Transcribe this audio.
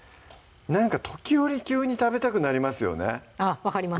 なんか時折急に食べたくなりますよねあっ分かります